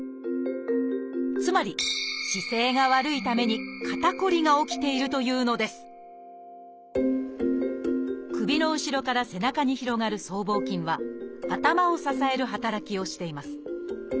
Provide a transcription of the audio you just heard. つまり姿勢が悪いために肩こりが起きているというのです首の後ろから背中に広がる僧帽筋は頭を支える働きをしています。